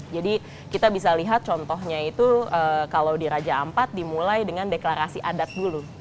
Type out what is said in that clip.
jadi kita bisa lihat contohnya itu kalau di raja ampat dimulai dengan deklarasi adat dulu